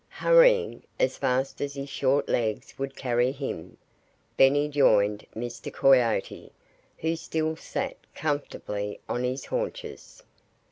Hurrying as fast as his short legs would carry him, Benny joined Mr. Coyote, who still sat comfortably on his haunches.